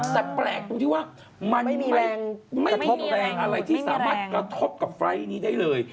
แต่แปลกตรงที่ว่ามันไม่พบแรงอะไรที่สามารถกระทบกับไฟล์ทนี้ได้เลย